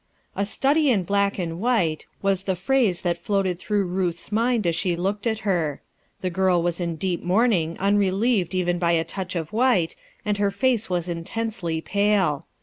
"A study in black and white," was the phrase that Coated through Ruth's mind as she looked at her. The girl was in deep mourning unre lieved even by a touch of white, and her face was intensely pale.